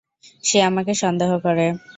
সে আমাকে সন্দেহ করে।